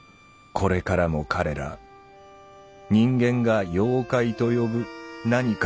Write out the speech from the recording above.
これからも「彼ら」人間が「妖怪」と呼ぶ「何か」